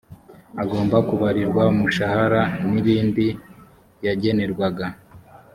agomba kubarirwa umushahara n’ibindi yagenerwaga